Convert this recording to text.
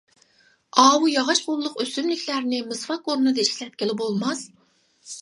ئاۋۇ ياغاچ غوللۇق ئۆسۈملۈكلەرنى مىسۋاك ئورنىدا ئىشلەتكىلى بولماس؟ !